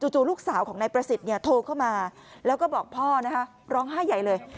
จู่ลูกสาวของนายประสิทธิ์โทรเข้ามาแล้วก็บอกพ่อนะคะร้องไห้ใหญ่เลย